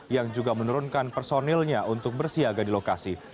yang juga menurunkan personilnya untuk bersiaga di lokasi